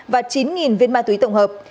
và chín viên ma túy tổng hợp